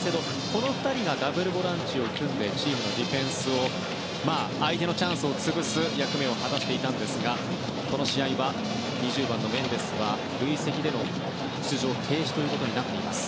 この２人がダブルボランチでチームのディフェンスを相手のチャンスを潰す役目を果たしていたのですがこの試合は２０番のメンデスは累積での出場停止ということになっています。